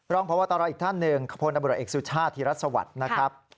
รองพบตอีกท่านหนึ่งพลตำรวจเอกสุชาธิรัฐสวรรค์